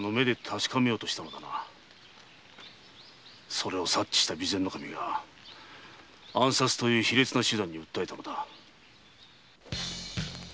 それを察知した備前守が暗殺という卑劣な手段に訴えたのだ。